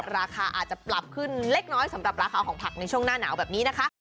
ราคาอาจจะปรับขึ้นเล็กน้อยสำหรับราคาของผักในช่วงหน้าหนาวแบบนี้นะคะ